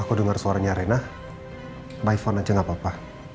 aku dengar suaranya arena by phone aja gak apa apa